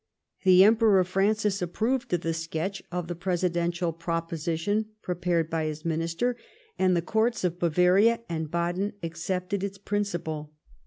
The Emperor Francis approved of the sketch of the Presi dential ])roposition prepared by his Minister, and the Courts of Bavaria and Baden accepted its principle.